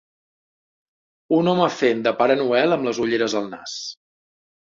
Un home fent de Pare Noel amb les ulleres al nas.